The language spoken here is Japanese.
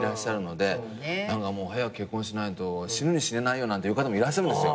早く結婚しないと死ぬに死ねないなんて言う方もいらっしゃるんです。